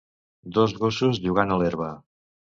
Dos gossos jugant a l'herba